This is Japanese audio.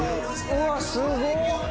うわっすごっ！